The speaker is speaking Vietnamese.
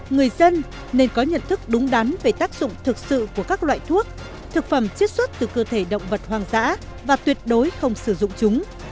người dân nên có nhận thức đúng đắn về tác dụng thực sự của các loại thuốc thực phẩm chất xuất từ cơ thể động vật hoang dã và tuyệt đối không sử dụng chúng